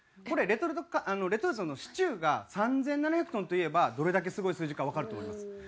これレトルトのシチューが３７００トンと言えばどれだけすごい数字かわかると思います。